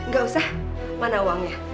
gak usah mana uangnya